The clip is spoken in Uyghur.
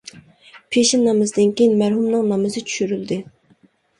پېشىن نامىزىدىن كېيىن مەرھۇمنىڭ نامىزى چۈشۈرۈلدى.